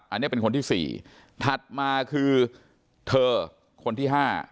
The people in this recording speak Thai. อันนี้เป็นคนที่สี่ถัดมาคือเธอคนที่ห้า